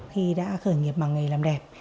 khi đã khởi nghiệp bằng nghề làm đẹp